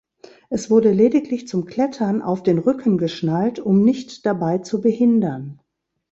Es wurde lediglich zum Klettern auf den Rücken geschnallt, um nicht dabei zu behindern.